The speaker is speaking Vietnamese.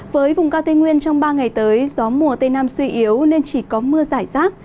với vùng cao tây nguyên trong ba ngày tới gió mùa tây nam suy yếu nên chỉ có mưa giải rác